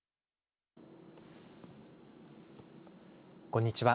こんにちは。